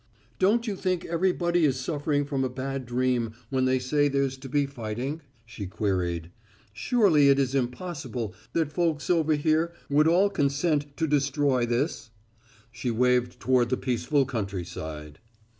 "Don't you think everybody is suffering from a bad dream when they say there's to be fighting?" she queried. "Surely it is impossible that folks over here would all consent to destroy this." She waved toward the peaceful countryside.